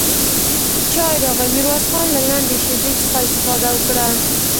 چای راغی، ميرويس خان له لنډې شيبې څخه استفاده وکړه.